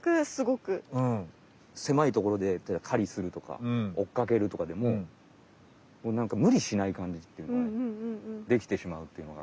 狭いところで狩りするとか追っかけるとかでももうなんかむりしない感じっていうかできてしまうっていうのが。